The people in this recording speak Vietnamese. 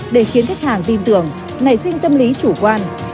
để khiến khách hàng tin tưởng nảy sinh tâm lý chủ quan